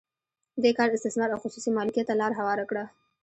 دې کار استثمار او خصوصي مالکیت ته لار هواره کړه.